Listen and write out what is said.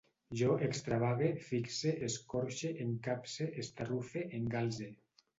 Jo extravague, fixe, escorxe, encapse, estarrufe, engalze